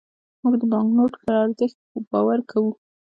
موږ د بانکنوټ پر ارزښت باور کوو.